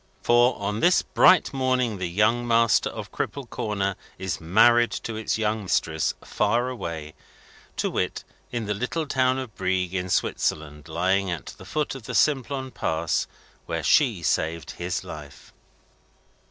For, on this bright morning the young master of Cripple Corner is married to its young mistress, far away: to wit, in the little town of Brieg, in Switzerland, lying at the foot of the Simplon Pass where she saved his life.